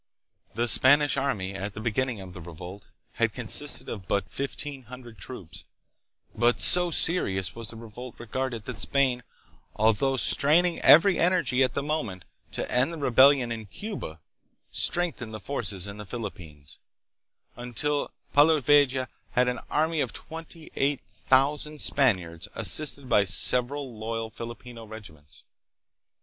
The Spanish army at the beginning of the revolt had consisted of but fifteen hundred troops, but so serious was the revolt regarded 284 THE PHILIPPINES. that Spain, although straining every energy at the mo ment to end the rebellion in Cuba, strengthened the forces in the Philippines, until Polavieja had an army of twenty eight thousand Spaniards assisted by several loyal Filipino regiments.